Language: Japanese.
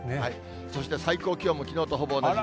そして最高気温もきのうとほぼ同じ。